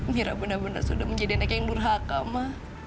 mira benar benar sudah menjadi anak yang lurhaka ma